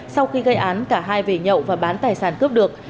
sau khi gây án cả hai về nhậu và bán tài sản cướp được